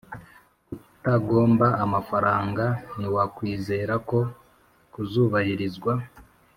kutagomba amafaranga ntiwakwizera ko kuzubahirizwa.